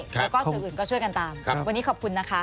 แล้วก็สื่ออื่นก็ช่วยกันตามวันนี้ขอบคุณนะคะ